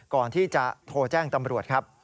ก่อนที่จะโทรแจ้งตำรวจครับ